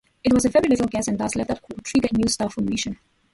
It has very little gas and dust left that would trigger new star formation.